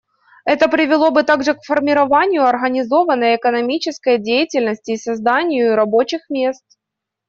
Это привело бы также к формированию организованной экономической деятельности и созданию рабочих мест.